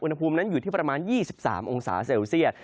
อุณหภูมินั้นอยู่ที่ประมาณ๒๓องศาเซลเซียต